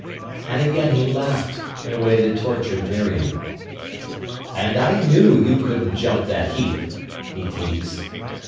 And again he laughed, in a way that tortured Miriam. "And I knew you couldn't jump that heap," he teased.